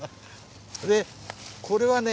これはね